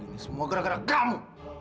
saya begini semua gara gara kamu